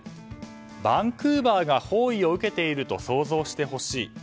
バンクーバーが包囲を受けていると想像してほしい。